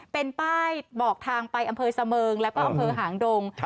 เป็นป้ายบอกทางไปอำเภอเสมิงแล้วก็อำเภอหางดง